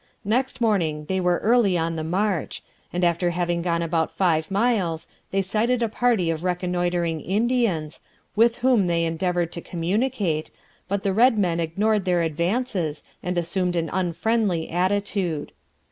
Next morning they were early on the march; and, after having gone about five miles, they sighted a party of reconnoitring Indians, with whom they endeavoured to communicate, but the red men ignored their advances and assumed an unfriendly attitude.